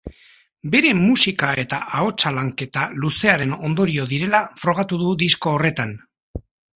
Bere musika eta ahotsa lanketa luzearen ondorio direla frogatu du disko horretan.